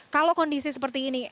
kalau kondisi seperti ini